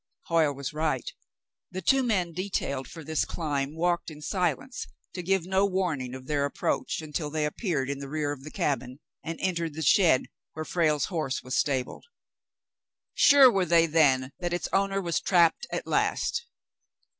Hoyle was right. The two men detailed for this climb walked in silence, to give no warning of their approach, until they appeared in the rear of the cabin, and entered the shed where Frale's horse was stabled. Sure were they then that its owner was trapped at last.